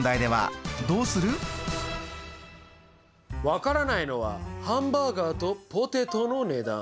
分からないのはハンバーガーとポテトの値段。